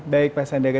baik pak sandiaga